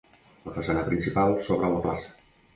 La façana principal s'obre a la plaça.